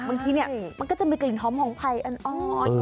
บางทีเนี่ยมันก็จะมีกลิ่นหอมของไผ่อ